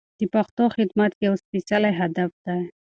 د پښتو خدمت یو سپېڅلی هدف دی.